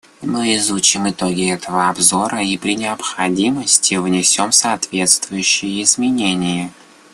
Мы изучим итоги этого обзора и при необходимости внесем соответствующие изменения.